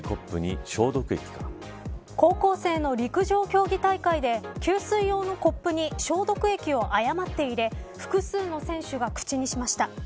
高校生の陸上競技大会で給水用のコップに消毒液を誤って入れ複数の選手が口にしました。